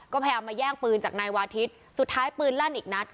ก็พยายามมาแย่งปืนจากนายวาทิศสุดท้ายปืนลั่นอีกนัด